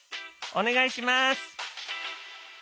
お願いします！